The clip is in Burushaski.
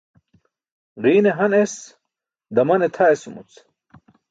Ġiine han es, damane tʰa esumuc.